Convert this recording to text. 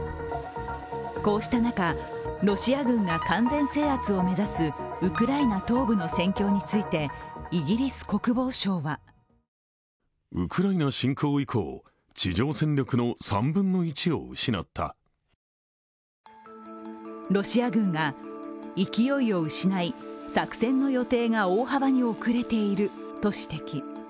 こうした中、ロシア軍が完全制圧を目指すウクライナ東部の戦況についてイギリス国防省はロシア軍が勢いを失い作戦の予定が大幅に遅れていると指摘。